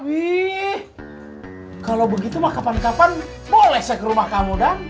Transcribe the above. wih kalau begitu mah kapan kapan boleh saya ke rumah kamu dah